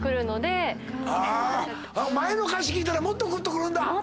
前の歌詞聴いたらもっとぐっと来るんだ！